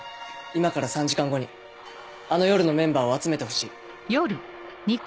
今から３時間後にあの夜のメンバーを集めてほしい。